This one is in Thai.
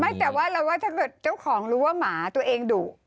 แต่ว่าเราว่าถ้าเกิดเจ้าของรู้ว่าหมาตัวเองดุ